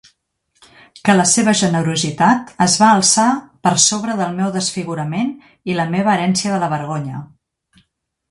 Que la seva generositat es va alçar per sobre del meu desfigurament i la meva herència de la vergonya.